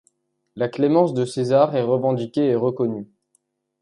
La clémence de César est revendiquée et reconnue.